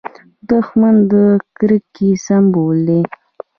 دښمن د کرکې سمبول دی